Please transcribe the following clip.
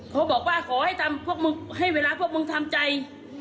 เขาบอกว่าขอให้เวลาพวกมึงทำใจ